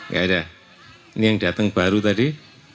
gak ada ini yang datang baru tadi